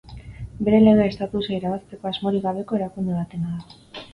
Bere lege estatusa irabazteko asmorik gabeko erakunde batena da.